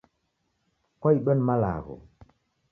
Kwaidwa na malagho